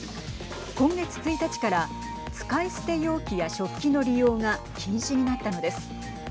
今月１日から使い捨て容器や食器の利用が禁止になったのです。